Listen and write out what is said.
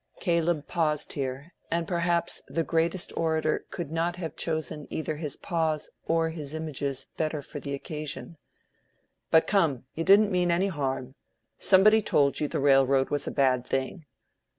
Caleb paused here, and perhaps the greatest orator could not have chosen either his pause or his images better for the occasion. "But come, you didn't mean any harm. Somebody told you the railroad was a bad thing.